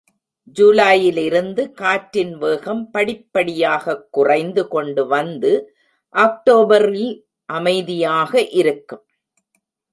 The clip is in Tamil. ஜூலையிலிருந்து காற்றின் வேகம் படிப்படியாகக் குறைந்து கொண்டு வந்து, அக்டோபரில் அமைதியாக இருக்கும்.